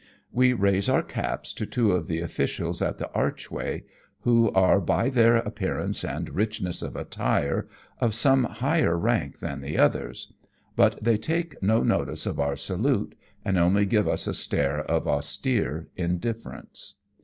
We raise our caps to two of the officials at the arch way, who are by their appearance and richness of attire of some higher runk than the others, but they \12 AMONG TYPHOONS AND PIRATE CRAFT. take no notice of our salute, and only give us a stare of austere indiflference.